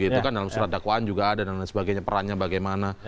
dalam surat dakwaan juga ada dan sebagainya perannya bagaimana